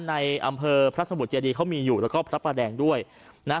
ในอำเภอพระสมุทรเจดีเขามีอยู่แล้วก็พระประแดงด้วยนะ